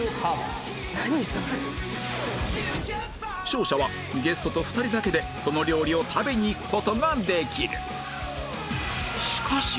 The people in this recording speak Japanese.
勝者はゲストと２人だけでその料理を食べに行く事ができる